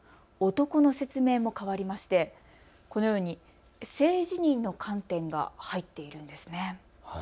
男の説明も変わりましてこのように性自認の観点が入っているんです。